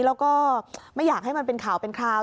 แล้วก็ไม่อยากให้มันเป็นข่าวเป็นคราว